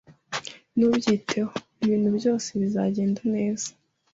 Ntubyiteho. Ibintu byose bizagenda neza.